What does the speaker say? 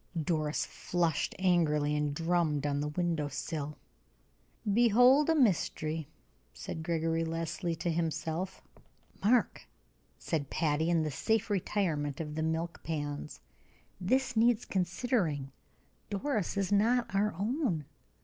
Doris flushed angrily, and drummed on the window sill. "Behold a mystery!" said Gregory Leslie to himself. "Mark," said Patty, in the safe retirement of the milk pans, "this needs considering. Doris is not our own.